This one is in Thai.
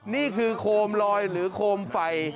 นี่คือโคมลอยหรือโคมไฟ